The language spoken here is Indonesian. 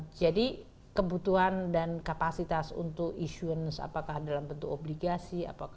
jadi kebutuhan dan kapasitas untuk issuance apakah dalam bentuk obligasi